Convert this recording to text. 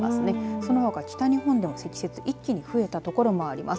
そのほか北日本でも積雪一気に増えた所もあります。